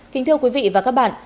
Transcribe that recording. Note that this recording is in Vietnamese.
kính thưa quý vị và các bạn